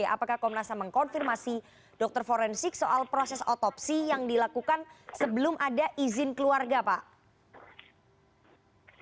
apakah komnas ham mengkonfirmasi dokter forensik soal proses otopsi yang dilakukan sebelum ada izin keluarga pak